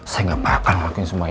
saya gak bakal ngakuin semua ini